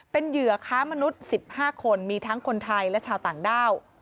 เป็นเหยื่อค้ามนุษย์๑๕คนมีทั้งคนไทยและชาวต่างด้าว